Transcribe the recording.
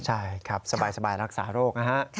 ใช่ครับสบายรักษาโรคนะฮะ